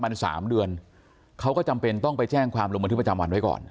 มัน๓เดือนเขาก็จำเป็นต้องไปแจ้งความลงบันทึกประจำวันไว้ก่อน